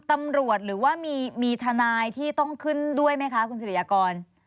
ตำรวจหรือว่ามีทนายที่ต้องขึ้นด้วยไหมคะคุณสิริยากร